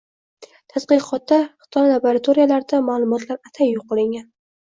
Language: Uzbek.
Tadqiqotda Xitoy laboratoriyalarida «ma’lumotlar atay yo‘q qilingan